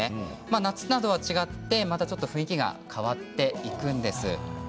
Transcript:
夏などとは違ってまた雰囲気が変わっていくんです。